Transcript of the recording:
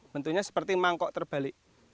bentuknya seperti mangkok terbalik